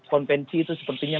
konvensi itu sepertinya